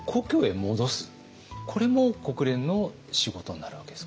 これも国連の仕事になるわけですか。